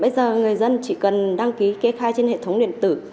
bây giờ người dân chỉ cần đăng ký kê khai trên hệ thống điện tử